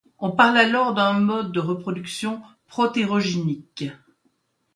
On parle alors d'un mode de reproduction protérogynique.